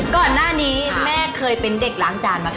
ก่อนหน้านี้แม่เคยเป็นเด็กล้างจานมาก่อน